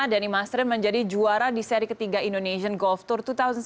dani mastrin menjadi juara di seri ketiga indonesian golf tour dua ribu tujuh belas